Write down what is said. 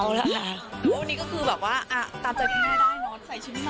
วันนี้ก็คือแบบว่าตามจัดการได้ใส่ชิ้นมาก็น่ารักค่ะ